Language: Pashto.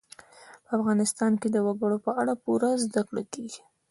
په افغانستان کې د وګړي په اړه پوره زده کړه کېږي.